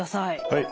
はい。